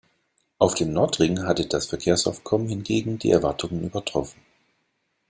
Auf dem „Nordring“ hatte das Verkehrsaufkommen hingegen die Erwartungen übertroffen.